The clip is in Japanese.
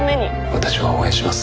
私は応援します。